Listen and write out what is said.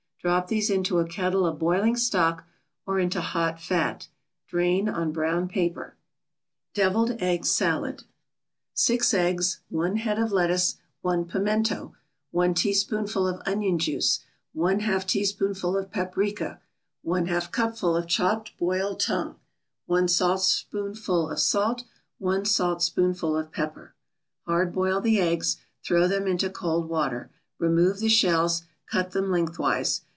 Drop these into a kettle of boiling stock, or into hot fat. Drain on brown paper. DEVILED EGG SALAD 6 eggs 1 head of lettuce 1 pimiento 1 teaspoonful of onion juice 1/2 teaspoonful of paprika 1/2 cupful of chopped boiled tongue 1 saltspoonful of salt 1 saltspoonful of pepper Hard boil the eggs, throw them into cold water, remove the shells, cut them lengthwise.